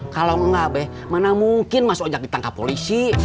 kalau nggak mana mungkin mas ojak ditangkap polisi